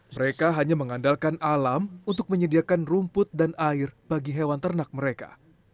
mereka hanya mengandalkan alam untuk menyediakan rumput dan air bagi hewan ternak mereka